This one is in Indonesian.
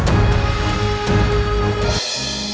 selamat tinggal puteraku